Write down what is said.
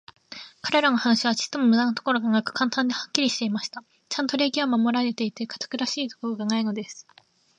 彼等の話は、ちょっとも無駄なところがなく、簡単で、はっきりしていました。ちゃんと礼儀は守られていて、堅苦しいところがないのです。